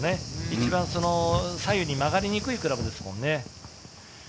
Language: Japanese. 一番左右に曲がりにくいクラブですね。